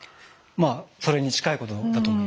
まあそれに近いことだと思います。